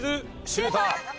シュート！